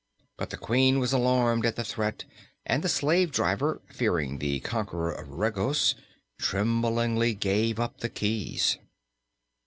But the Queen was alarmed at the threat and the slave driver, fearing the conqueror of Regos, tremblingly gave up the keys.